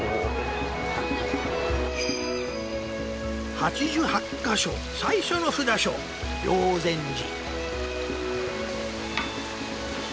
８８か所最初の札所霊山寺